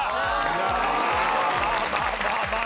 いやあまあまあまあまあ。